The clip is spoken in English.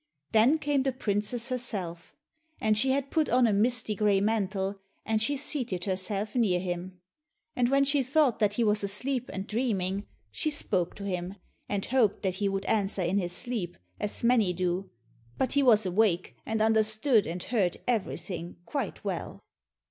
Then came the princess herself, and she had put on a misty grey mantle, and she seated herself near him. And when she thought that he was asleep and dreaming, she spoke to him, and hoped that he would answer in his sleep, as many do, but he was awake, and understood and heard everything quite well.